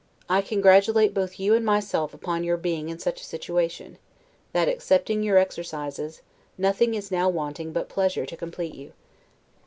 I congratulate both you and myself upon your being in such a situation, that, excepting your exercises, nothing is now wanting but pleasures to complete you.